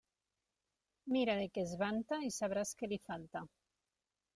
Mira de què es vanta i sabràs què li falta.